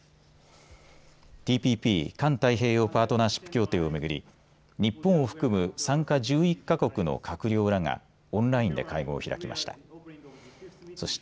ＴＰＰ・環太平洋パートナーシップ協定を巡り、日本を含む参加１１か国の閣僚らがオンラインで会合を開きました。